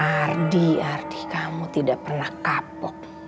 arti arti kamu tidak pernah kaput